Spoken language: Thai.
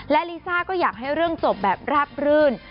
และลิซ่าก็อยากให้เรื่องจบแบบราบรื่น